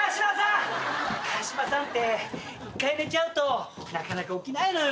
カワシマさんって１回寝ちゃうとなかなか起きないのよ。